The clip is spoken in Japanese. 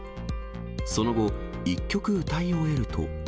その後、１曲歌い終えると。